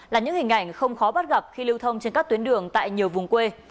là những hình ảnh không khó bắt gặp khi lưu thông trên các tuyến đường tại nhiều vùng quê